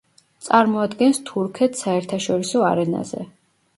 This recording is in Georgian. წარმოადგენს თურქეთს საერთაშორისო არენაზე.